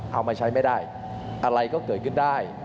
เอามาใช้ไม่ได้อะไรก็เกิดขึ้นได้